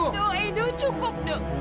eh duk eh duk cukup duk